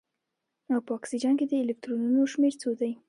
او په اکسیجن کې د الکترونونو شمیر څو دی